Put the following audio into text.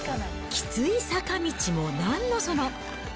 きつい坂道もなんのその。